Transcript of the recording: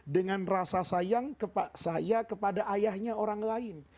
dengan rasa sayang saya kepada ayahnya orang lain